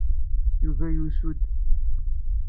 Yuba yusu-d.